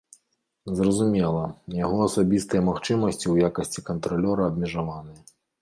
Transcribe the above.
Зразумела, яго асабістыя магчымасці ў якасці кантралёра абмежаваныя.